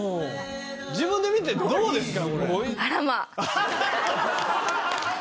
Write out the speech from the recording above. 自分で見てどうですか？